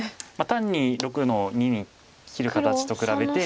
単に６の二に切る形と比べて。